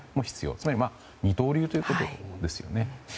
つまり二刀流ということですね。